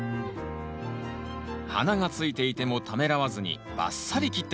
花がついていてもためらわずにバッサリ切って下さい。